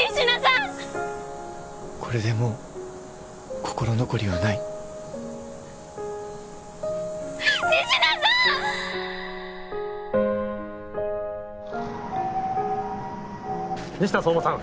これでもう心残りはない仁科さん‼仁科蒼真さん